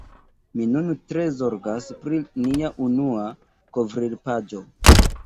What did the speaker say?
Mi nun tre zorgas pri nia unua kovrilpaĝo.